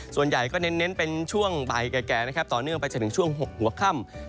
ส่วนใหญ่ก็เน้นเป็นช่วงบ่ายแก่นะครับต่อเนื่องไปจนถึงช่วง๖หัวค่ำ